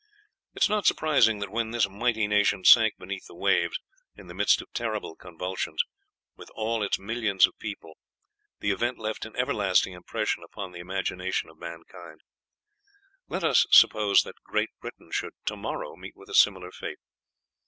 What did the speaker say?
It is not surprising that when this mighty nation sank beneath the waves, in the midst of terrible convulsions, with all its millions of people, the event left an everlasting impression upon the imagination of mankind. Let us suppose that Great Britain should to morrow meet with a similar fate.